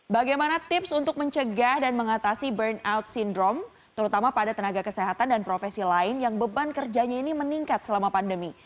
bagaimana tips untuk mencegah dan mengatasi burnout syndrome terutama pada tenaga kesehatan dan profesi lain yang beban kerjanya ini meningkat selama pandemi